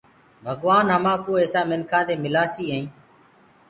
ڀگوآن همآنٚڪو ايسآ مِنکآنٚ دي ملآسي ائيٚنٚ